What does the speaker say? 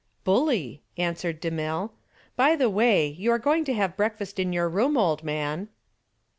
"Bully," answered DeMille. "By the way, you are going to have breakfast in your room, old man."